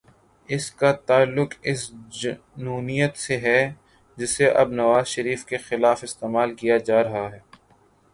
اس کا تعلق اس جنونیت سے ہے، جسے اب نواز شریف کے خلاف استعمال کیا جا رہا ہے۔